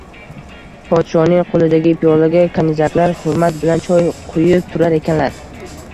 Podshoning qo‘lidagi piyolaga kanizaklar hurmat bilan choy quyib turar ekanlar